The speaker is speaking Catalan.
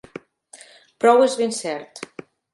Prou és ben cert.